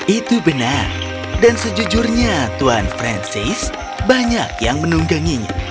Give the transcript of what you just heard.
itu benar dan sejujurnya tuan francis banyak yang menungganginya